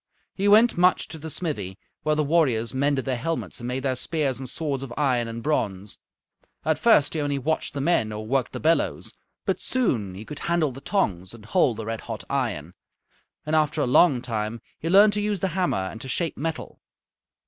He went much to the smithy, where the warriors mended their helmets and made their spears and swords of iron and bronze. At first he only watched the men or worked the bellows, but soon he could handle the tongs and hold the red hot iron, and after a long time he learned to use the hammer and to shape metal.